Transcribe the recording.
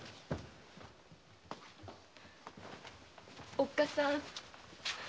おっかさん。